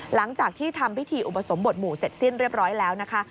หลังจากที่ทำพิธีอุปสมบทหมู่เสร็จสิ้นเรียบร้อยแล้วนะคะ